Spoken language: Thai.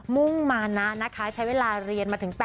มานานนะคะใช้เวลาเรียนมาถึง